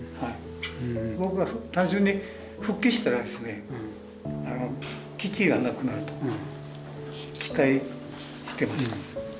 僕は単純に復帰したらですね基地がなくなると期待してました。